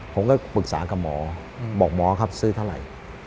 ผมก็ปรึกษากับหมอบอกหมอครับซื้อเท่าไหร่